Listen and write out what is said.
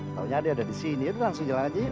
taunya ade ada di sini itu langsung jalan aja yuk